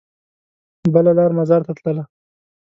بله لار مزار ته تلله.